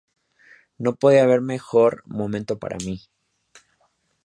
No podía haber mejor momento para mí.